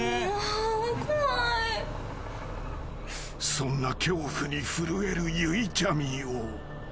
［そんな恐怖に震えるゆいちゃみを］